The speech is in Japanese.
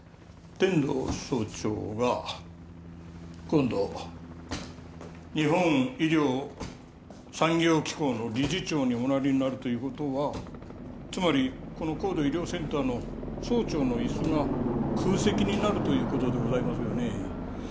天堂総長が今度日本医療産業機構の理事長におなりになるという事はつまりこの高度医療センターの総長の椅子が空席になるという事でございますよねえ。